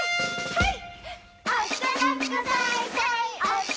はい！